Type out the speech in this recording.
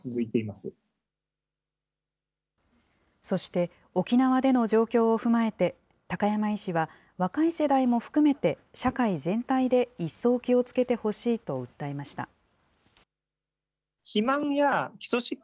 そして、沖縄での状況を踏まえて、高山医師は、若い世代も含めて社会全体で一層気をつけてほしいと訴えました。